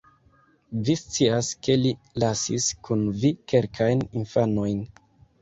Vi scias ke li lasis kun vi kelkajn infanojn